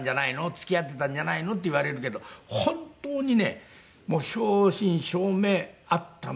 「付き合っていたんじゃないの？」って言われるけど本当にね正真正銘会ったのが初めてなんですよ。